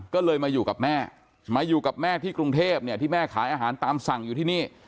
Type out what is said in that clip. ก็เลยมาอยู่กับแม่มาอยู่กับแม่ที่กรุงเทพเนี่ยที่แม่ขายอาหารตามสั่งอยู่ที่นี่